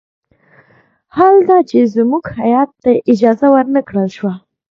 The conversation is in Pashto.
حال دا چې زموږ هیات ته اجازه ور نه کړل شوه.